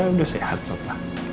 udah sehat papa